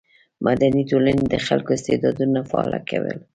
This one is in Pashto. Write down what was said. مدني ټولنې د خلکو استعدادونه فعاله کوي.